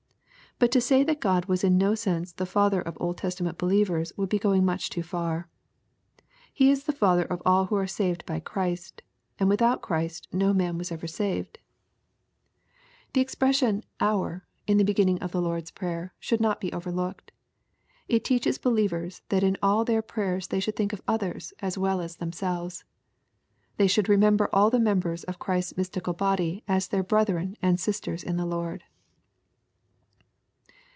But to say that God was in no sense the Father of Old Testament believers would be going much too far. He is the Father of all \^ho are saved by Christ and without Christ ni man ws^ ever saved B EXPOSITORY THOUGHTS. The expression "Our" in the beginning of the Lord's Piayei, should not be overlooked. It teaches believers that in all their prayers they should think of others as well as themselves. They should remember all the members of Christ's mystical tody aa their brethren and sisters in the Lord.